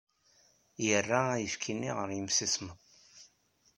Yerra ayefki-nni ɣer yimsismeḍ.